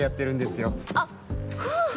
あっ夫婦？